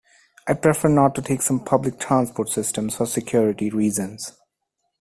I prefer not to take some public transport systems for security reasons.